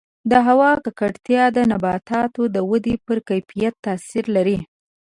د هوا ککړتیا د نباتاتو د ودې پر کیفیت تاثیر لري.